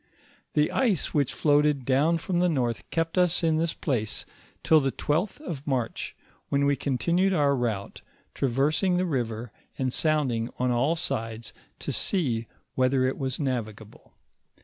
The ice which floated down from the north kept us in this place till the 12th of March, when we continued our route, traversing the river and sounding on all sides to see whether it was navigable.